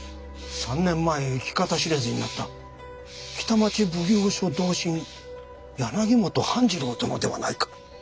３年前行き方知れずになった北町奉行所同心柳本半次郎殿ではないか！？